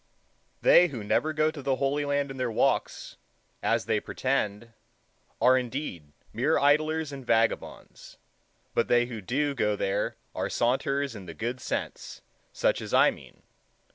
They who never go to the Holy Land in their walks, as they pretend, are indeed mere idlers and vagabonds; but they who do go there are saunterers in the good sense, such as I mean.